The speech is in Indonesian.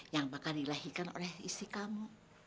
yang bakal dilahirkan oleh istri kamu